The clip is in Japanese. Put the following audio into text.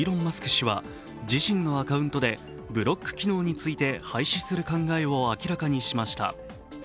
氏は自身のアカウントでブロック機能について廃止する考えを明らかにしました。